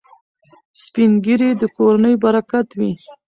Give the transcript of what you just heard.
سپین ږیري د کورنۍ برکت وي.